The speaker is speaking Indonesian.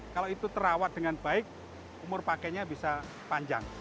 kalau itu terawat dengan baik umur pakainya bisa panjang